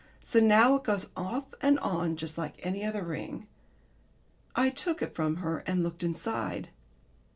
So now it goes off and on just like any other ring. I took it from her and looked inside.